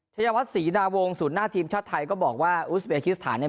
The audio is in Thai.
เฉยวัสสินาวงศ์ศูนต์หน้าทีมชาติไทยก็บอกว่าอูสระเบคิสฐานเนี่ย